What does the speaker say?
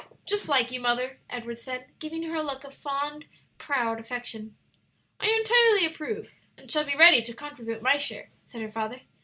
"Just like you, mother," Edward said, giving her a look of proud, fond affection. "I entirely approve, and shall be ready to contribute my share," said her father.